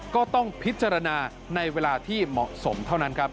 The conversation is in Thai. ก็ต้องพิจารณาในเวลาที่เหมาะสมเท่านั้นครับ